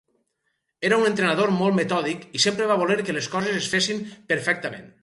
Era un entrenador molt metòdic, i sempre va voler que les coses es fessin perfectament.